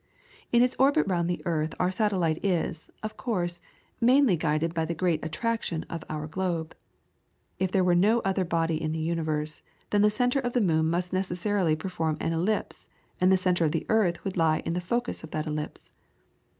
In its orbit round the earth our satellite is, of course, mainly guided by the great attraction of our globe. If there were no other body in the universe, then the centre of the moon must necessarily perform an ellipse, and the centre of the earth would lie in the focus of that ellipse.